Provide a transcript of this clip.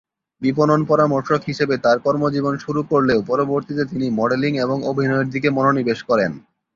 বিপণন পরামর্শক হিসাবে তার কর্মজীবন শুরু করলেও পরবর্তীতে তিনি মডেলিং এবং অভিনয়ের দিকে মনোনিবেশ করেন।